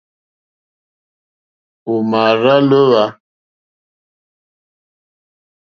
Ò mà àrzá lǒhwà.